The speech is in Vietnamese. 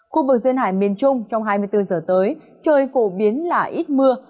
khu vực duyên hải miền trung trong hai mươi bốn giờ tới trời phổ biến là ít mưa